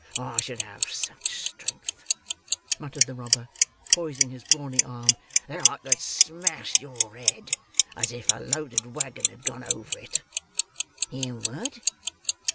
I should have such strength," muttered the robber, poising his brawny arm, "that I could smash your head as if a loaded waggon had gone over it." "You would?"